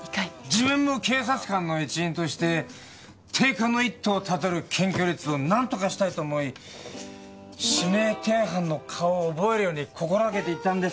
自分も警察官の一員として低下の一途を辿る検挙率をなんとかしたいと思い指名手配犯の顔を覚えるように心掛けていたんです。